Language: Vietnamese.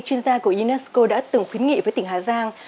chuyên gia của unesco đã từng khuyến nghị với tỉnh hà giang